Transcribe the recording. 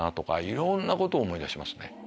いろんなことを思い出しますね。